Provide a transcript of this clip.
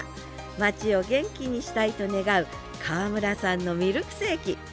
街を元気にしたいと願う川村さんのミルクセーキ。